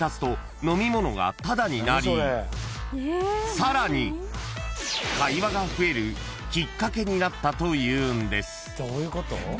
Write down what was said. ［さらに会話が増えるきっかけになったというんです］